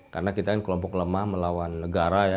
karena kita kelompok lemah melawan negara